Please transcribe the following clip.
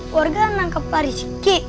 warga nangkep pariski